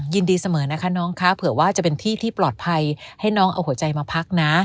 ยินดีเสมอนะคะน้องคะเผื่อว่าจะเป็นที่ที่ปลอดภัยให้น้องเอาหัวใจมาพักนะ